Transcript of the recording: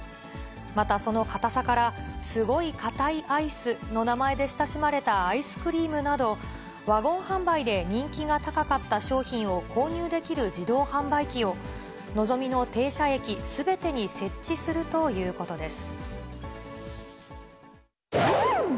またその固さから、スゴイカタイアイスの名前で親しまれたアイスクリームなど、ワゴン販売で人気が高かった商品を購入できる自動販売機を、のぞみの停車駅すべてに設置するということです。